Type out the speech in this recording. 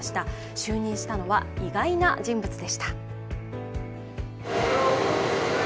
就任したのは、意外な人物でした。